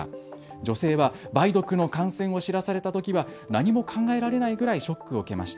女性は梅毒の感染を知らされたときは何も考えられないくらいショックを受けました。